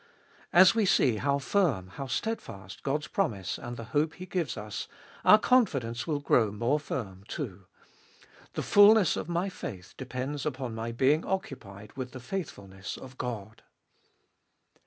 As we see how firm, how steadfast, God's promise and the hope He gives us, our confidence will grow more firm too. The fulness of my faith depends upon my being occupied with the faithfulness of God.